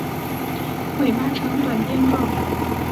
尾巴呈短鞭状。